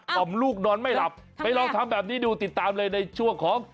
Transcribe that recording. ต่อมลูกนอนไม่หลับไปลองทำแบบนี้ดูติดตามเลยในช่วงของ